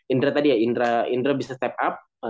indra tadi ya indra indra bisa step up